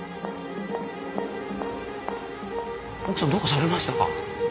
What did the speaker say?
奥さんどうかされましたか？